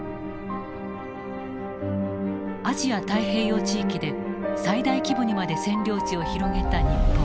アジア・太平洋地域で最大規模にまで占領地を広げた日本。